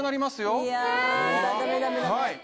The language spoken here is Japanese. えっいやダメダメダメ